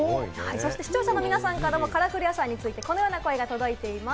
視聴者の皆さんからもカラフル野菜について、このような声が届いています。